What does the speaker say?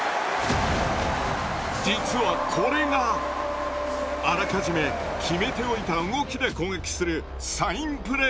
実はこれがあらかじめ決めておいた動きで攻撃するサインプレーです。